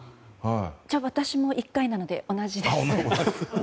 じゃあ私も１回なので同じですね。